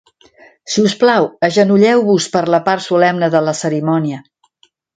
Si us plau, agenolleu-vos per la part solemne de la cerimònia.